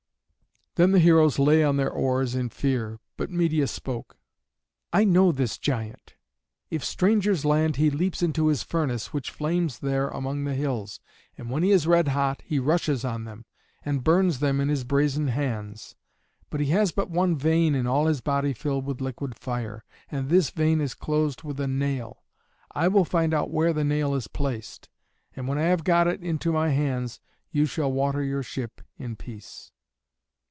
Then the heroes lay on their oars in fear, but Medeia spoke: "I know this giant. If strangers land he leaps into his furnace, which flames there among the hills, and when he is red hot he rushes on them, and burns them in his brazen hands. But he has but one vein in all his body filled with liquid fire, and this vein is closed with a nail. I will find out where the nail is placed, and when I have got it into my hands you shall water your ship in peace."